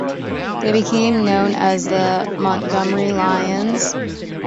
They became known as the Montgomery Lions.